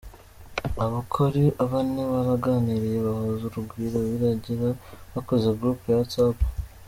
Aba uko ari bane baraganiriye bahuza urugwiro, birangira bakoze groupe ya Whatsapp.